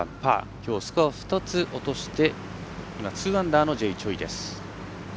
きょうスコアを２つ落として今、２アンダーのＪ．チョイです。